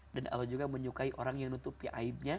dan allah juga menyukai orang yang menutupi aibnya